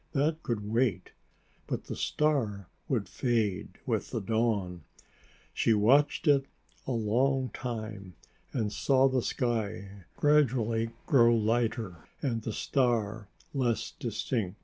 That could wait, but the star would fade with the dawn. She watched it a long time and saw the sky gradually grow lighter and the star less distinct.